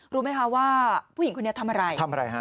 รู้ไหมว่าผู้หญิงคนนี้ทำอะไร